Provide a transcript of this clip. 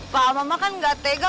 pak mama kan gak tega